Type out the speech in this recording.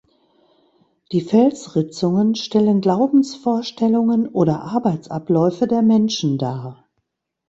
Die Felsritzungen stellen Glaubensvorstellungen oder Arbeitsabläufe der Menschen dar.